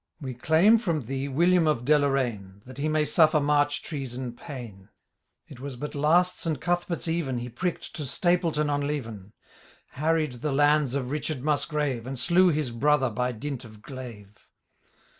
We claim from thee William of Deloraine, That he may suffer march treason' pain. It was but last St. Cuthbert^s even He pricked to Stapleton on Leven, Harried' the lands of Richard Musgrave, And slew his brother by dint of glaive.